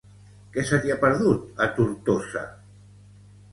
Què se t'hi ha perdut, a Tortosa?